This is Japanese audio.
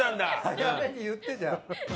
早めに言ってじゃあ。